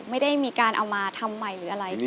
ไม่ได้มีการเอามาทำใหม่